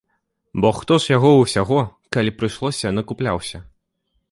Бо хто ж яго ўсяго, калі б прыйшлося, накупляўся.